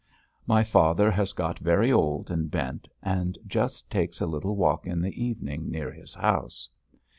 My father has got very old and bent, and just takes a little walk in the evening near his house.